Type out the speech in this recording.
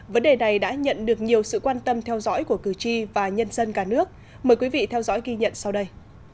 vấn đề này đã nhận được nhiều sự quan tâm theo dõi của cử tri và nhân dân cả nước mời quý vị theo dõi ghi nhận sau đây